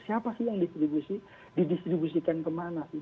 siapa sih yang didistribusikan kemana